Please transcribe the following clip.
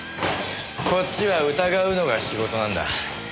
こっちは疑うのが仕事なんだ。